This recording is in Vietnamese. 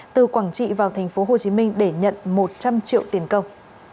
từ quảng trị vào tp hcm để nhận một trăm linh triệu tiền công